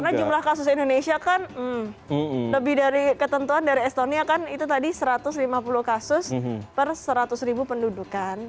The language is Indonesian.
karena jumlah kasus indonesia kan lebih dari ketentuan dari estonia kan itu tadi satu ratus lima puluh kasus per seratus ribu pendudukan